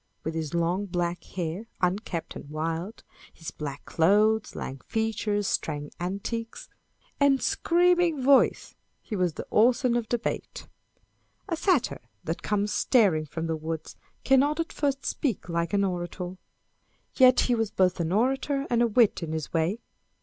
With his long black hair, " unkempt and wild " â€" his black clothes, lank features, strange antics, and screaming voice, he was the Orson of debate. A Satyr that comes staring from the woods, Cannot at first speak like an orator. Yet he was both an orator and a wit in his way.